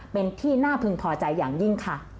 เป็นที่น่าพึงพอใจอย่างยิ่งค่ะ